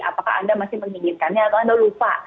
apakah anda masih menginginkannya atau anda lupa